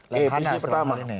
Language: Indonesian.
lembaga negara pertama ini